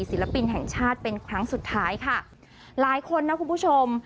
ศิลปินแห่งชาติเป็นครั้งสุดท้ายค่ะหลายคนนะคุณผู้ชม